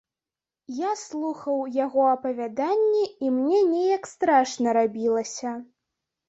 Я слухаў яго апавяданні, і мне неяк страшна рабілася.